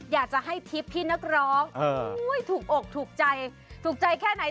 อยากจะให้ทริปพี่นักร้องถูกอกถูกใจถูกใจแค่ไหน